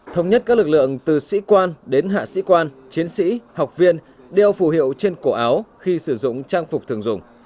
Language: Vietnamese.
thống nhất các lực lượng từ sĩ quan đến hạ sĩ quan chiến sĩ học viên đeo phụ hiệu trên cổ áo khi sử dụng trang phục thường dùng